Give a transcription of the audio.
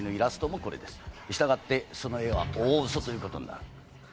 したがってその絵は大嘘ということになる。